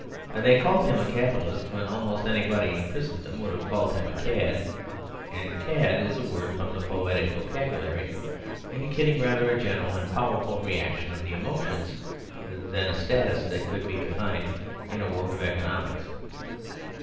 They called him a Capitalist when almost anybody in Christendom would have called him a cad. And "cad" is a word from the poetic vocabulary indicating rather a general and powerful reaction of the emotions than a status that could be defined in a work of economics.